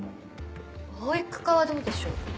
保育課はどうでしょう？